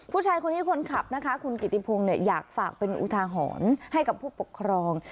ผู้ชายคนนี้คนขับนะคะคุณกิติพงศ์อยากฝากเป็นอุทาหรณ์ให้กับผู้ปกครอง